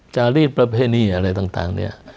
จารีสประเพณีอะไรต่างเนี่ย